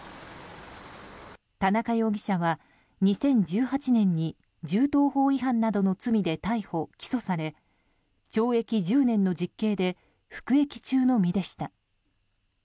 田中容疑者は２０１８年に銃刀法違反などの罪で逮捕・起訴され懲役１０年の実刑で服役中の身でした。